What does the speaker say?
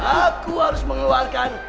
aku harus mengeluarkan